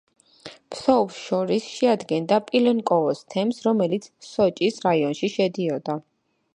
ფსოუს შორის შეადგენდა პილენკოვოს თემს, რომელიც სოჭის რაიონში შედიოდა.